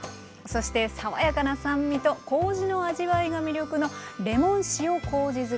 そして爽やかな酸味とこうじの味わいが魅力のレモン塩こうじ漬け。